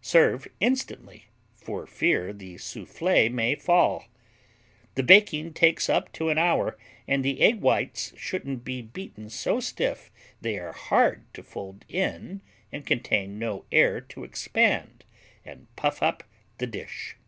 Serve instantly for fear the Soufflé may fall. The baking takes up to an hour and the egg whites shouldn't be beaten so stiff they are hard to fold in and contain no air to expand and puff up the dish.